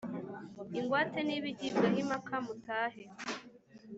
ingwate niba igibwaho impaka mutahe